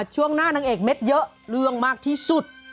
ช่วงหน้านางเอกเม็ดเยอะเรื่องมากที่สุด